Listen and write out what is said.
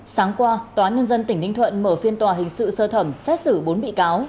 sáng qua tòa nhân dân tỉnh ninh thuận mở phiên tòa hình sự sơ thẩm xét xử bốn bị cáo